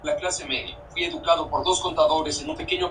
Coronel Salafranca entonces si solicitó sustituir al Tte.